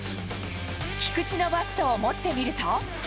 菊池のバットを持ってみると。